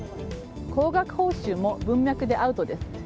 高額報酬も文脈でアウトです。